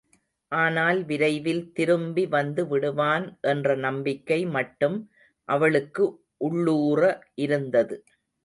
ஆனால் விரைவில் திரும்பி வந்து விடுவான் என்ற நம்பிக்கை மட்டும் அவளுக்கு உள்ளூற இருந்தது.